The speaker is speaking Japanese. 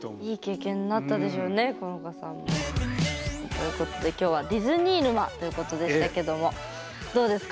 ということで今日は「ディズニー沼」ということでしたけどもどうですか？